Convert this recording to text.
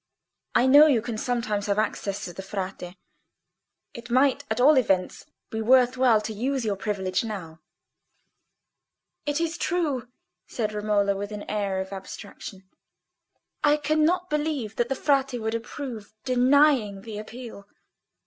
I know you can sometimes have access to the Frate: it might at all events be worth while to use your privilege now." "It is true," said Romola, with an air of abstraction. "I cannot believe that the Frate would approve denying the Appeal."